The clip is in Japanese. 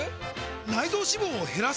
内臓脂肪を減らす！？